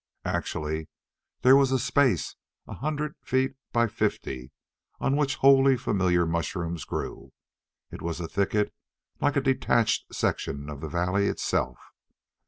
Actually, there was a space a hundred feet by fifty on which wholly familiar mushrooms grew. It was a thicket like a detached section of the valley itself.